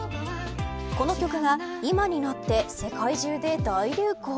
この曲が今になって世界中で大流行。